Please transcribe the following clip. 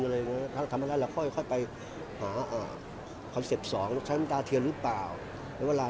ถ้าเราทำอะไรเราค่อยไปหาคอนเซ็ปท์๒ขนาดเทียนหรือเปล่า